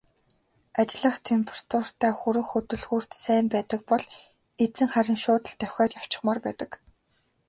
Ажиллах температуртаа хүрэх хөдөлгүүрт сайн байдаг бол эзэн харин шууд л давхиад явчихмаар байдаг.